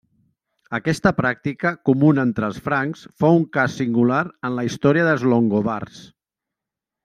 Aquesta pràctica, comuna entre els francs, fou un cas singular en la història dels longobards.